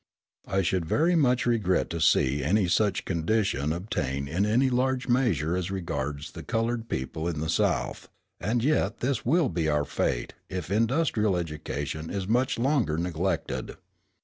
I should very much regret to see any such condition obtain in any large measure as regards the coloured people in the South, and yet this will be our fate if industrial education is much longer neglected.